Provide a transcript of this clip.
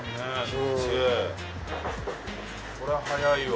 こりゃ速いわ。